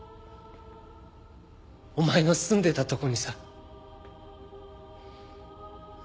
お前の住んでたとこにさ。